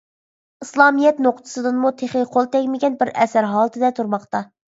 ئىسلامىيەت نۇقتىسىدىنمۇ تېخى قول تەگمىگەن بىر ئەسەر ھالىتىدە تۇرماقتا.